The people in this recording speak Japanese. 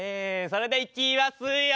それではいきますよ。